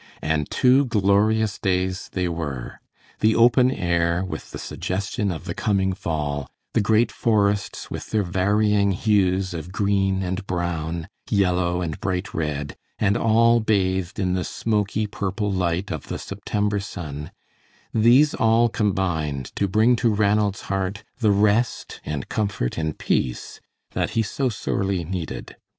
And two glorious days they were. The open air with the suggestion of the coming fall, the great forests with their varying hues of green and brown, yellow and bright red, and all bathed in the smoky purple light of the September sun, these all combined to bring to Ranald's heart the rest and comfort and peace that he so sorely needed.